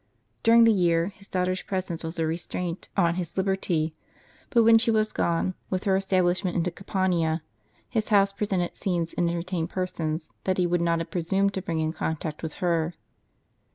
During the year, his daughter's presence was a restraint on his liberty ; but when she was gone, with her establishment, into Campania, his house presented scenes and entertained persons, that he would not have presumed to bring in contact with her.